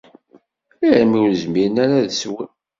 Armi ur zmiren ara ad swen.